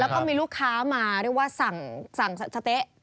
ก็มาเรียกว่าสั่งสะเต๊ะ